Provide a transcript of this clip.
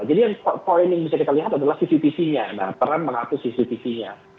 jadi yang poin yang bisa kita lihat adalah cctv nya peran mengaku cctv nya